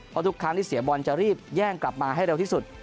เพราะทุกครั้งที่เสียบอลจะรีบแย่งกลับมาให้เร็วที่สุด